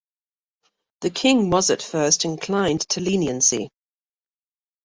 The king was at first inclined to leniency.